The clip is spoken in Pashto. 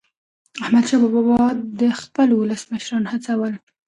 احمدشاه بابا به د خپل ولس مشران هڅول.